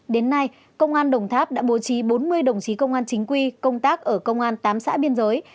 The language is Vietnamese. đến nay công an đồng tháp đã bố trí bốn mươi đồng chí công an chính quy công tác ở công an tám xã biên giới